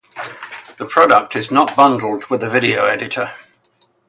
The product is not bundled with a video editor.